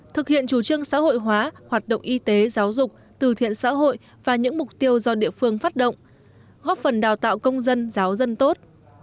thực hiện chủ trương xã hội hóa hoạt động y tế giáo dục từ thiện xã hội và những mục tiêu do địa phương phát động góp phần đào tạo công dân giáo dân tốt